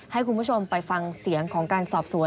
ให้คุณผู้ชมไปฟังเสียงของการสอบสวน